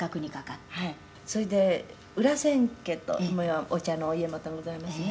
「それで裏千家とお茶のお家元がございますね」